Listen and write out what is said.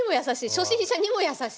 初心者にも優しい。